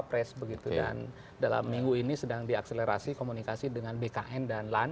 pres begitu dan dalam minggu ini sedang diakselerasi komunikasi dengan bkn dan lan terutama ya kami juga kan harus cek